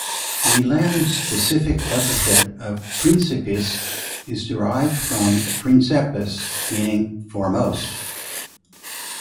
The Latin specific epithet of "principis" is derived from "princeps" meaning foremost.